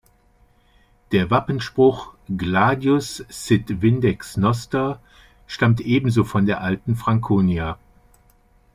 Der Wappenspruch „Gladius sit vindex noster“ stammt ebenso von der alten Franconia.